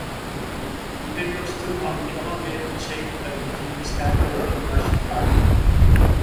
Figures took on the elongated shape that became standard in Russian art.